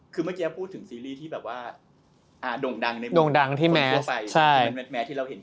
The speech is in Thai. คือเมื่อกี้พูดถึงซีรีส์ที่ด่งดังในมุมคนทั่วไป